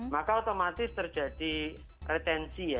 maka otomatis terjadi retensi ya